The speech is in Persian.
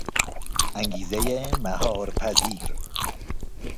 انگیزهی مهار پذیر